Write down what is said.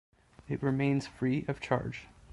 It remains free of charge.